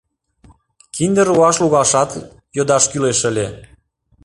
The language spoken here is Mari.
Кинде руаш лугашат йодаш кӱлеш ыле